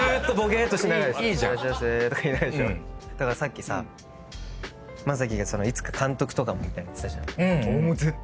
さっきさ将暉がいつか監督とかもみたいに言ってたじゃん。